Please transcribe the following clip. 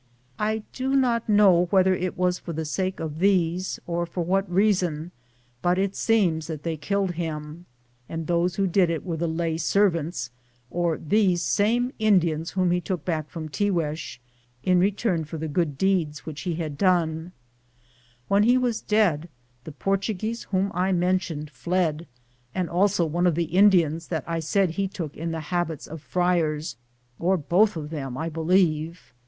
I do not know whether it was for the sake of these or for what reason, but it seems that they killed him, and those who did it were the lay servants, or these same Indians whom he took back from Tiguex, in return sit, Google THE JOURNEY OF COBONADO for the good deeds which he had done. When he was dead, the Portuguese whom I mentioned fled, and also one of the Indians that I said he took in the habits of friars, or both of them, I believe.